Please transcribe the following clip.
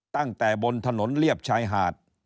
ตั้งแต่บนถนนเรียบชายหาด